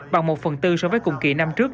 bằng một phần tư so với cùng kỳ năm trước